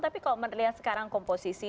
tapi kalau melihat sekarang komposisi